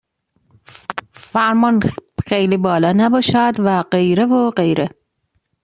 فرمان خیلی بالا نباشد و غیره و غیره.